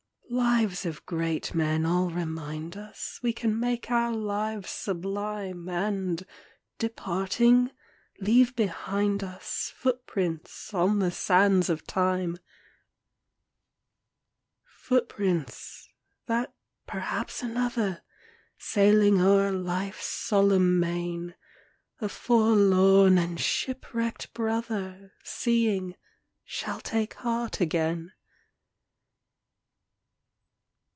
Lives of great men all remind us We can make our lives sublime, And, departing, leave behind us Footsteps on the sands of time ; Footsteps, that perhaps another, Sailing o'er life's solemn main, A forlorn and shipwrecked brother, Seeing, shall take heart again.